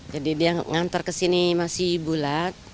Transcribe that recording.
jadi dia ngantar ke sini masih bulat